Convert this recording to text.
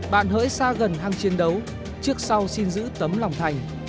bạn hỡi xa gần hang chiến đấu trước sau xin giữ tấm lòng thành